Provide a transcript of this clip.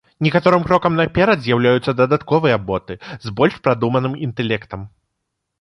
Некаторым крокам наперад з'яўляюцца дадатковыя боты з больш прадуманым інтэлектам.